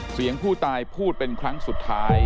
เสียงผู้ตายพูดเป็นครั้งสุดท้าย